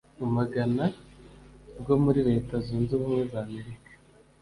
mu magana rwo muri Leta Zunze Ubumwe za amerika